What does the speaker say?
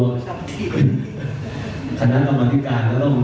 คณะกำลังกิจการก็ต้องเคลียร์ค่าใหญ่จริงหรือไม่ค่ะ